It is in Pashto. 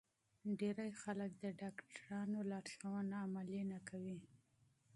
زیاتره خلک د ډاکټرانو توصیه عملي نه کوي.